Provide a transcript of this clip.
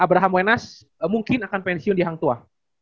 abraham wenas mungkin akan pensiun di hangtua